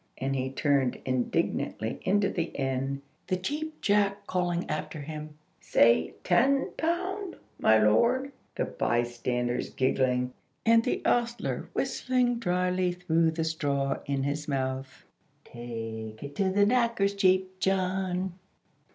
And he turned indignantly into the inn, the Cheap Jack calling after him, "Say ten pound, my lord!" the bystanders giggling, and the ostler whistling dryly through the straw in his mouth, "Take it to the knacker's, Cheap John."